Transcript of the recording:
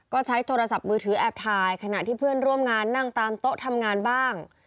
ก็ใช้โทรศัพท์มือถือแอบถ่ายขณะที่เพื่อนร่วมงานนั่งตามโต๊ะทำงานบ้าง